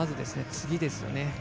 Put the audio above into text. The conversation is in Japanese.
次ですよね。